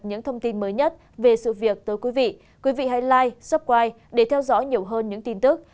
những thông tin mới nhất về sự việc tới quý vị quý vị hãy live suppy để theo dõi nhiều hơn những tin tức